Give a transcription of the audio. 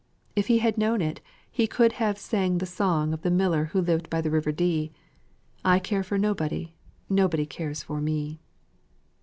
If he had known it, he could have sang the song of the miller who lived by the river Dee: "I care for nobody Nobody cares for me."